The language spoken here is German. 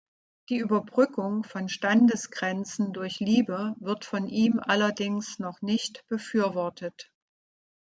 Die Überbrückung von Standesgrenzen durch Liebe wird von ihm allerdings noch nicht befürwortet.